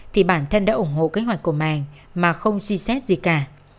thì bản thân đã ủng hộ kế hoạch của màng mà không suy xét gì cả